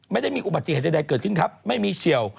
ไม่ได้มีอุบัติเหตุใดเกิดขึ้นครับไม่มีเฉียว